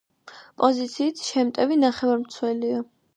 პოზიციით შემტევი ნახევარმცველია.